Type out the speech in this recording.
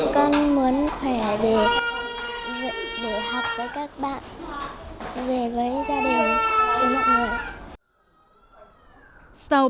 con muốn khỏe để học với các bạn về với gia đình về mọi người